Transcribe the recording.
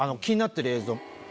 気になってる映像。